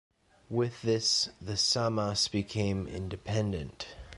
With this, the Sammas became independent.